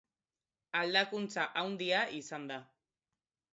Aldakuntza haundia izan da.